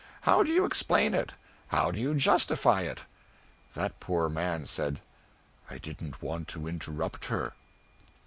How do you explain it? How do you justify it?" That poor man said, "I didn't want to interrupt her."